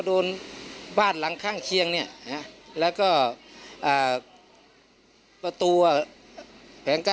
จนใดเจ้าของร้านเบียร์ยิงใส่หลายนัดเลยค่ะ